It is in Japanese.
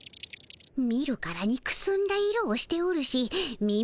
見るからにくすんだ色をしておるし身もペラペラ。